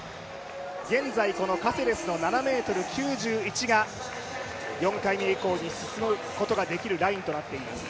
現在、カセレスの７ｍ９１が４回目以降に進むラインとなっています。